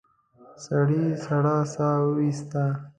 سړي سړه سا ويسته.